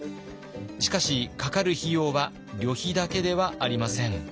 しかしかかる費用は旅費だけではありません。